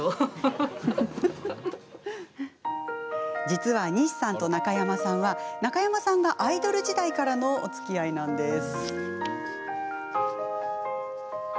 実は、西さんと中山さんは中山さんがアイドル時代からのおつきあいなんです。